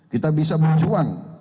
kita bisa berjuang di banyak fungsi